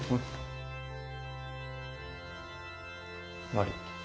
悪い。